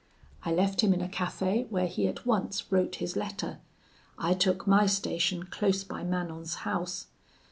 I left him in a cafe, where he at once wrote his letter. I took my station close by Manon's house.